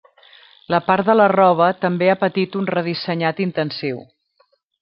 La part de la roba també ha patit un redissenyat intensiu.